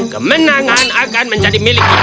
kemenangan akan menjadi milik kita